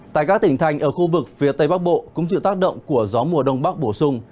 tại các tỉnh thành ở khu vực phía tây bắc bộ cũng chịu tác động của gió mùa đông bắc bổ sung